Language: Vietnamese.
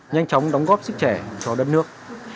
nhanh chóng đóng góp sức trẻ cho đất nước